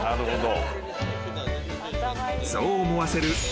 ［そう思わせる］